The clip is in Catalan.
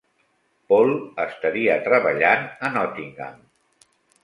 Paul estaria treballant a Nottingham.